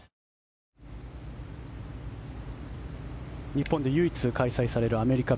日本で唯一開催されるアメリカＰＧＡ